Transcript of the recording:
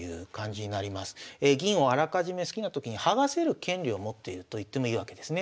銀をあらかじめ好きなときに剥がせる権利を持っているといってもいいわけですね。